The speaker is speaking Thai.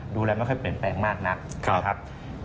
ดูแลไม่ค่อยเปลี่ยนแปลงมากนักนะครับ